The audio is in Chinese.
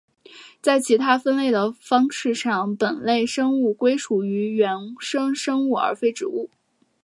在其他的分类方式上本类生物归属于原生生物而非植物。